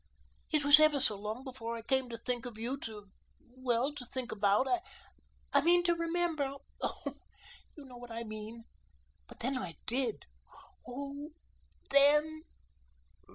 It was ever so long before I came to think of you to, well, to think about I mean to remember oh, you know what I mean. But when I did, oh, THEN!"